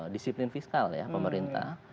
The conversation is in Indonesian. disiplin fiskal ya pemerintah